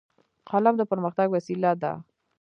قلم د پرمختګ وسیله ده